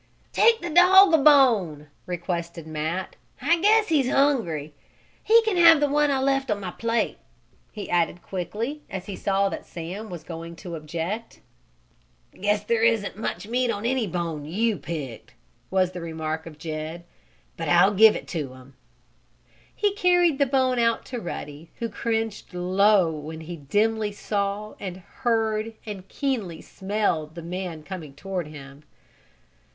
"Take the dog a bone," requested Matt. "I guess he's hungry. He can have the one I left on my plate," he added quickly, as he saw that Sam was going to object. "Guess there isn't much meat on any bone you picked!" was the remark of Jed. "But I'll give it to him." He carried the bone out to Ruddy, who cringed low when he dimly saw, and heard, and keenly smelled the man coming toward him.